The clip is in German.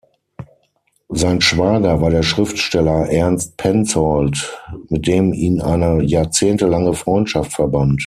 Sein Schwager war der Schriftsteller Ernst Penzoldt, mit dem ihn eine jahrzehntelange Freundschaft verband.